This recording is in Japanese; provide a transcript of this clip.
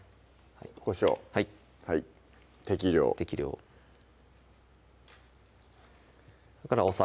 こしょうはい適量適量それからお酒